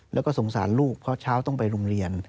แล้วก็สงสารลูกเพราะเช้าต้องไปโรงเรียน